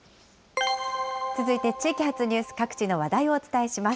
続いて地域発ニュース、各地の話題をお伝えします。